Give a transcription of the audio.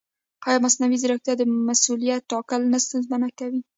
ایا مصنوعي ځیرکتیا د مسؤلیت ټاکل نه ستونزمن کوي؟